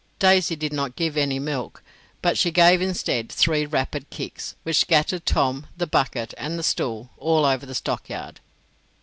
Daisy did not give any milk, but she gave instead three rapid kicks, which scattered Tom, the bucket, and the stool all over the stockyard.